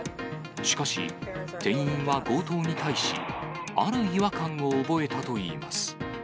しかし、店員は強盗に対し、ある違和感を覚えたといいます。